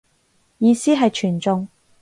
意思係全中